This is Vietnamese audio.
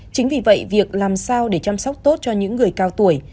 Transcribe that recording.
chính vì vậy việc làm sao để chăm sóc tốt cho những người cao tuổi